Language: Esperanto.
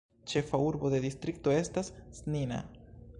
Ĉefa urbo de distrikto estas Snina.